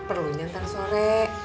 perlu nyantar sore